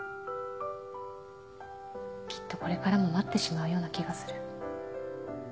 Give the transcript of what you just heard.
きっとこれからも待ってしまうような気がする